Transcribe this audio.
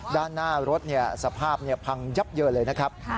ด้านหน้ารถสภาพพังยับเยินเลยนะครับ